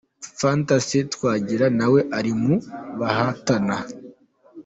Fantacy Twagira nawe ari mu bahatana.